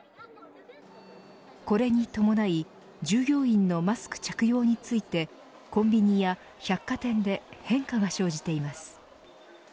これに伴い従業員のマスク着用についてコンビニや百貨店で変化が生じています。